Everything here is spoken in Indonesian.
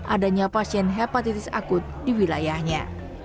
adanya pasien hepatitis akut di wilayahnya